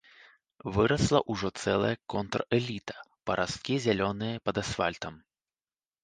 Вырасла ўжо цэлая контрэліта, парасткі зялёныя пад асфальтам.